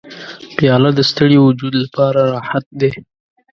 پیاله د ستړي وجود لپاره راحت دی.